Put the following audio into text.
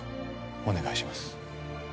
お願いします。